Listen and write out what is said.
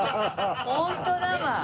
ホントだわ。